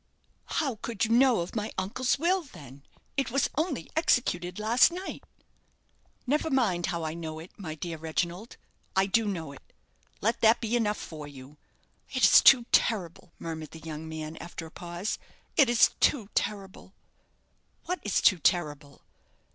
"How could you know of my uncle's will, then? It was only executed last night." "Never mind how I know it, my dear Reginald. I do know it. Let that be enough for you." "It is too terrible," murmured the young man, after a pause; "it is too terrible." "What is too terrible?"